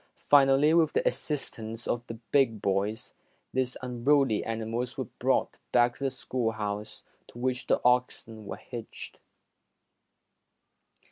Finally, with the assistance of big boys, these unruly animals were brought back to the schoolhouse, to which the oxen were hitched.